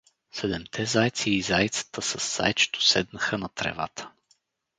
Седемте зайци и заицата със зайчето седнаха на тревата.